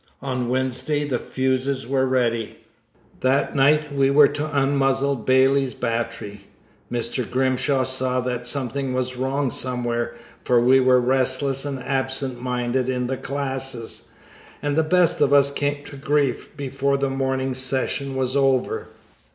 On Wednesday the fuses were ready. That night we were to unmuzzle Bailey's Battery. Mr. Grimshaw saw that something was wrong somewhere, for we were restless and absent minded in the classes, and the best of us came to grief before the morning session was over.